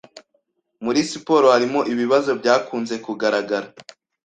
muri siporo harimo ibibazo byakunze kugaragara